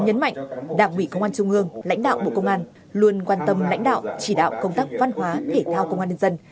nhấn mạnh đảng ủy công an trung ương lãnh đạo bộ công an luôn quan tâm lãnh đạo chỉ đạo công tác văn hóa thể thao công an nhân dân